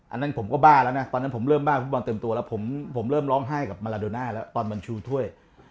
อันนั้นผมก็บ้าแล้วนะตอนนั้นผมเริ่มบ้าฟุตบอลเต็มตัวแล้วผมเริ่มร้องไห้กับมาลาโดน่าแล้วตอนมันชูถ้วย